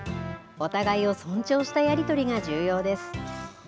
お互いを尊重したやり取りが重要です。